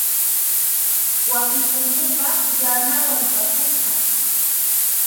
Wasi punkuqa yanawan takusqa.